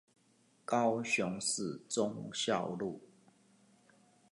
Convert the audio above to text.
高雄市忠孝路